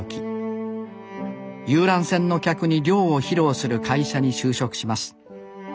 遊覧船の客に漁を披露する会社に就職します。